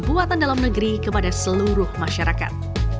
buatan dalam negeri kepada seluruh masyarakat